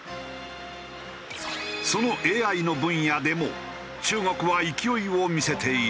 そのＡＩの分野でも中国は勢いを見せている。